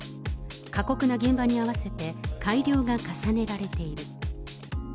過酷な現場に合わせて改良が重ねられている。